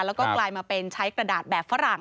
แล้วก็กลายมาเป็นใช้กระดาษแบบฝรั่ง